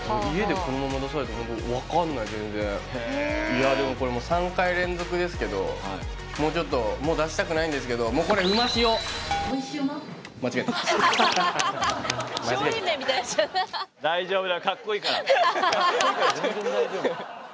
いやでもこれ３回連続ですけどもうちょっともう出したくないんですけどもうこれカッコイイから全然大丈夫！